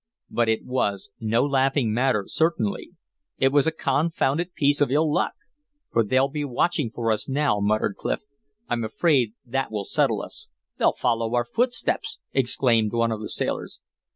But it was no laughing matter, certainly; it was a confounded piece of ill luck. "For they'll be watching for us now!" muttered Clif. "I'm afraid that will settle us." "They'll follow our footsteps!" exclaimed one of the sailors.